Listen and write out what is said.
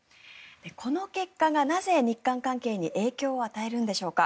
この結果が、なぜ日韓関係に影響を与えるんでしょうか。